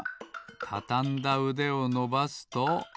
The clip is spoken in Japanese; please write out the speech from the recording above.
たたんだうでをのばすと。